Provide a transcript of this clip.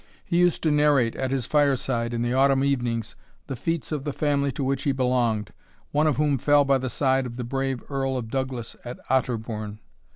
He used to narrate, at his fireside, in the autumn evenings, the feats of the family to which he belonged, one of whom fell by the side of the brave Earl of Douglas at Otterbourne.